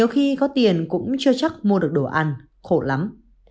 khi có tiền cũng chưa chắc mua được đồ ăn khổ lắm